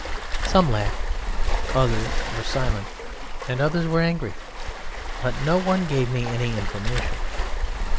Some laughed, others were silent, and others were angry; but no one gave me any information.